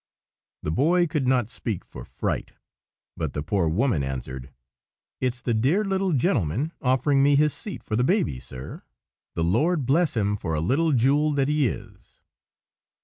The Boy could not speak for fright; but the poor woman answered, "It's the dear little gentleman offering me his seat for the baby, sir! The Lord bless him for a little jewel that he is!"